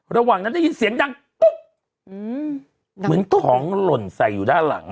ระหว่างนั้นได้ยินเสียงดังปุ๊บเหมือนของหล่นใส่อยู่ด้านหลัง